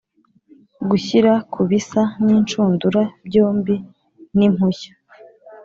Gushyira ku bisa n inshundura byombi n impushya